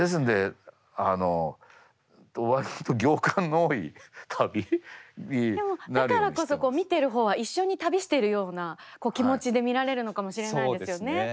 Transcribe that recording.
でもだからこそ見てる方は一緒に旅してるような気持ちで見られるのかもしれないですよね。